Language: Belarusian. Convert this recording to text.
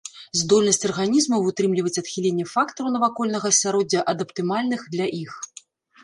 Здольнасць арганізмаў вытрымліваць адхіленне фактараў навакольнага асяроддзя ад аптымальных для іх.